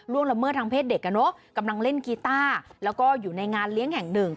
ละเมิดทางเพศเด็กอ่ะเนอะกำลังเล่นกีต้าแล้วก็อยู่ในงานเลี้ยงแห่งหนึ่ง